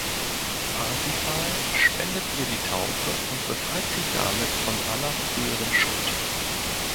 Parsifal spendet ihr die Taufe und befreit sie damit von aller früheren Schuld.